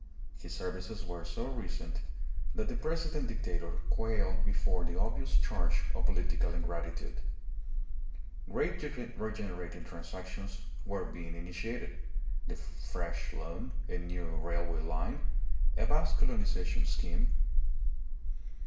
His services were so recent that the President Dictator quailed before the obvious charge of political ingratitude. Great regenerating transactions were being initiated the fresh loan, a new railway line, a vast colonization scheme.